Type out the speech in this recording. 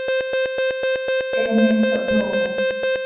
Eenim zo hyooho.